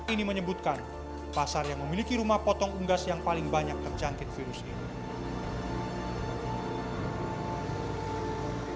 ini menyebutkan pasar yang memiliki rumah potong unggas yang paling banyak terjangkit virus ini